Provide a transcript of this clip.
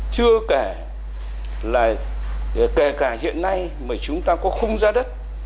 chưa kể là kể cả hiện nay mà chúng ta có khung giá đất